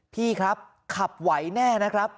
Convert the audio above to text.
พี่ครับขับไหวแน่นะครับ